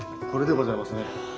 これでございますね。